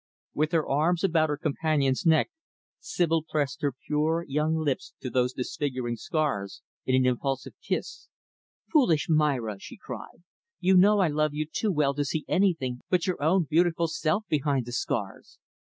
With her arms about her companion's neck, Sibyl pressed her pure, young lips to those disfiguring scars, in an impulsive kiss. "Foolish Myra," she cried, "you know I love you too well to see anything but your own beautiful self behind the scars.